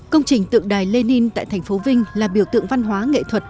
công trình tượng đài lenin tại thành phố vinh là biểu tượng văn hóa nghệ thuật